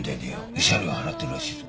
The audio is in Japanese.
慰謝料払ってるらしいぞ。